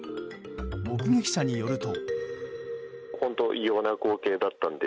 目撃者によると。